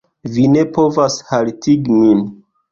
vi ne povas haltigi min.